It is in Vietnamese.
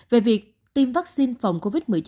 về việc tiêm vaccine phòng covid một mươi chín